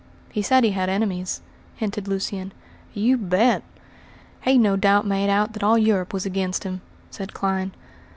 "He said he had enemies," hinted Lucian. "You bet! He no doubt made out that all Europe was against him," said Clyne.